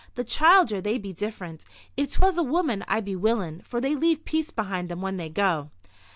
The childer, they be different. If 'twas a woman I'd be willin', for they leave peace behind 'em when they go."